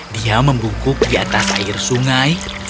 dia membungkuk di atas air sungai